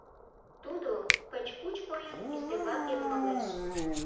Тудо, кыч-куч койын, ӱстембаке нумалеш.